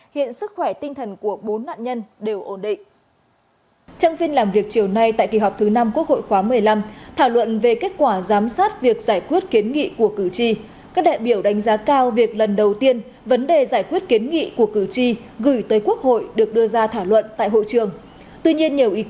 hiện sức khỏe tinh thần của bốn nạn nhân đều ổn định